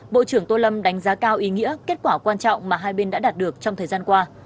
bộ trưởng tô lâm đánh giá cao ý nghĩa kết quả quan trọng mà hai bên đã đạt được trong thời gian qua